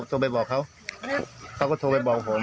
โทรไปบอกเขาเขาก็โทรไปบอกผม